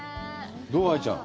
どう？